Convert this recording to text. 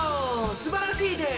すばらしいです！